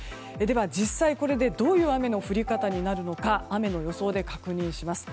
実際これでどういう雨の降り方になるのか雨の予想で確認します。